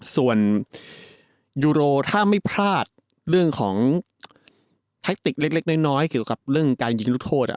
ส่วนยูโรถ้าไม่พลาดเรื่องของแทคติกเล็กน้อยเกี่ยวกับเรื่องการยิงลูกโทษ